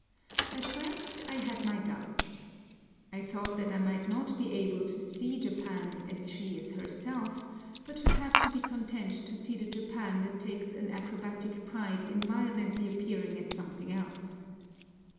At first, I had my doubts. I thought that I might not be able to see Japan, as she is herself, but should have to be content to see the Japan that takes an acrobatic pride in violently appearing as something else.